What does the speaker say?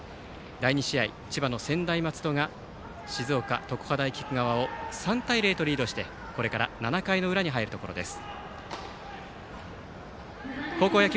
第２試合、千葉の専大松戸が静岡・常葉大菊川を３対０とリードしてこれから７回の裏に入るところです。